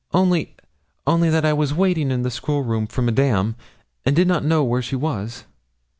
'Only only that I was waiting in the school room for Madame, and did not know where she was.'